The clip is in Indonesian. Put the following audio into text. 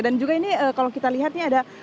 dan juga ini kalau kita lihat nih ada